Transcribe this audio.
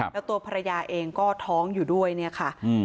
แล้วตัวภรรยาเองก็ท้องอยู่ด้วยเนี่ยค่ะ